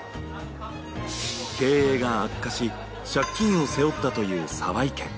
経営が悪化し借金を背負ったという澤井家。